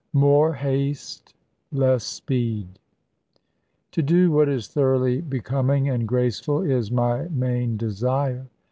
MORE HASTE, LESS SPEED. To do what is thoroughly becoming and graceful is my main desire.